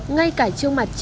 ngay cả trong mặt trẻ nhỏ